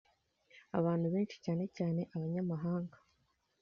abantu benshi, cyane cyane abanyamahanga,